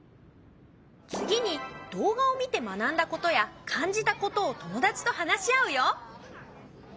次に動画を見て学んだことや感じたことを友達と話し合うよ。